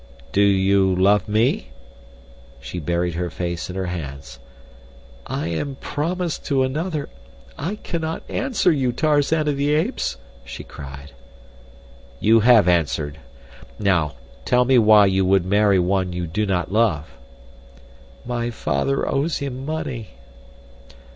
"Do you love me?" She buried her face in her hands. "I am promised to another. I cannot answer you, Tarzan of the Apes," she cried. "You have answered. Now, tell me why you would marry one you do not love." "My father owes him money."